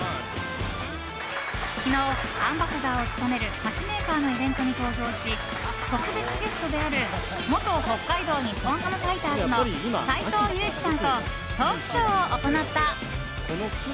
昨日、アンバサダーを務める菓子メーカーのイベントに登場し特別ゲストである元北海道日本ハムファイターズの斎藤佑樹さんとトークショーを行った。